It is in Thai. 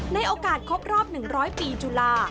ในโอกาสครบรอบ๑๐๐ปีจุฬา